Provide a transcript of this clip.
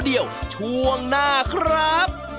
เดี๋ยวช่วงหน้าครับ